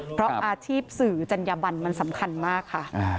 เพราะอาชีพสื่อจัญญบันมันสำคัญมากค่ะ